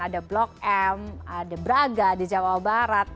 ada blok m ada braga di jawa barat